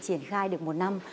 triển khai được một năm